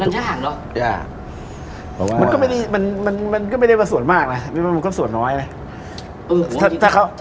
มันช่างหรอมันก็ไม่ได้ว่าส่วนมากนะมันก็ส่วนน้อยนะ